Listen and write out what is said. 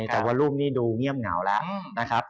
แต่ว่ารุ่มนี้ดูเงียบหนาวนะครับ